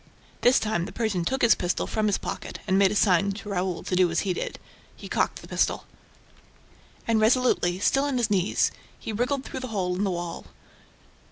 This time, the Persian took his pistol from his pocket and made a sign to Raoul to do as he did. He cocked the pistol. And, resolutely, still on his knees, he wiggled through the hole in the wall.